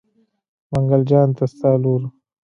منګل جان ته ستا لور.